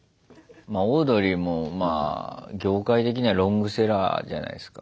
オードリーもまあ業界的にはロングセラーじゃないですか。